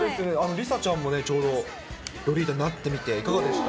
梨紗ちゃんもちょうど、ロリータになってみていかがでした？